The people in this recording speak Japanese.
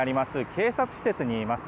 警察施設にいます。